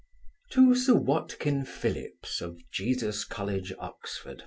To Sir WATKIN PHILLIPS, of Jesus college, Oxon.